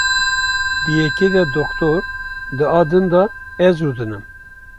Di yekê de Dr. di a din ez rûdinim.